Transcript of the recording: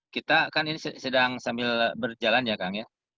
kita kan ini sedang sambil berjalan ya kang ya